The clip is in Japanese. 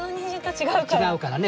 違うからね。